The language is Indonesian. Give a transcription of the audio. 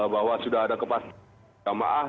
bahwa sudah ada kepastian jamaah